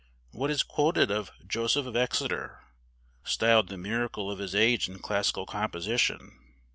What is quoted of Joseph of Exeter, styled the miracle of his age in classical composition?